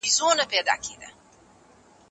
بريا تصادفي نه ده.